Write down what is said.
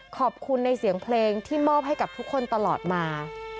ขอบคุณในเสียงเพลงที่มอบให้กับทุกคนตลอดมา